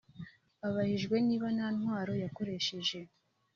Abajijwe niba nta ntwaro yakoresheje